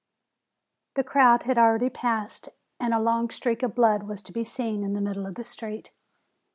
The crowd had already passed, and a long streak of blood was to be seen in the middle of the street.